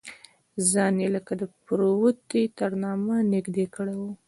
ځان یې لکه د پروتې تر نامه نږدې کړی و.